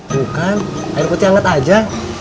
bukan air putih hangat aja